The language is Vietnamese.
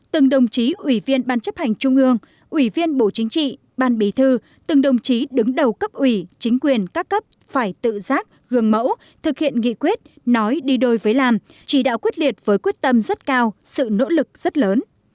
từng đồng chí ủy viên ban chấp hành trung ương ủy viên bộ chính trị ban bí thư từng đồng chí đứng đầu cấp ủy chính quyền các cấp phải tự giác gương mẫu thực hiện nghị quyết nói đi đôi với làm chỉ đạo quyết liệt với quyết tâm rất cao sự nỗ lực rất lớn